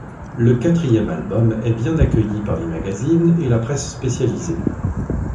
Le quatrième album est bien accueilli par les magazines et la presse spécialisée.